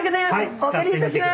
お借りいたします！